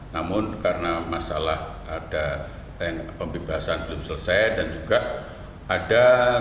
namun karena masalah ada pembebasan belum selesai dan juga ada